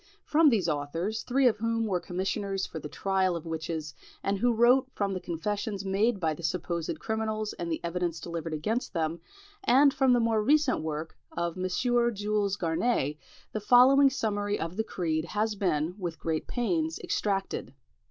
From these authors, three of whom were commissioners for the trial of witches, and who wrote from the confessions made by the supposed criminals and the evidence delivered against them, and from the more recent work of M. Jules Garinet, the following summary of the creed has been, with great pains, extracted.